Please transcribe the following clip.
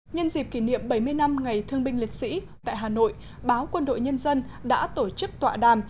nhân dịp kỷ niệm bảy mươi năm ngày thương binh liệt sĩ tại hà nội báo quân đội nhân dân đã tổ chức tọa đàm